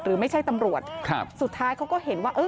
ไม่ใช่ตำรวจครับสุดท้ายเขาก็เห็นว่าเออ